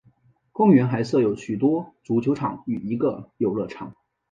公园还设有许多足球场与一个游乐场。